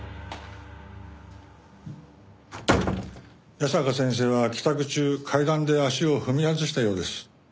矢坂先生は帰宅中階段で足を踏み外したようです。